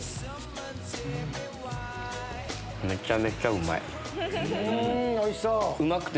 めちゃめちゃうまい。